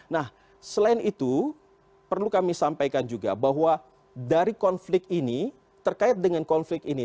nah selain itu perlu kami sampaikan juga bahwa dari konflik ini terkait dengan konflik ini